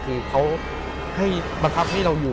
คือเขาให้บังคับให้เราอยู่